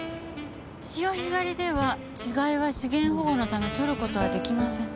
「潮干狩りでは稚貝は資源保護のため採ることはできません」